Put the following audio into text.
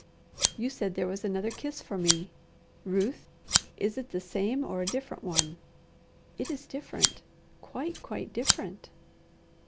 You said there was another kiss for me. Ruth, is it the same or a different one?" "It is different. Quite, quite different!"